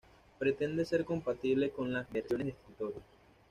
Pretende ser compatible con las versiones de escritorio.